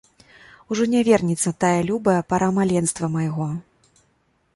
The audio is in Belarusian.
Ужо не вернецца тая любая пара маленства майго.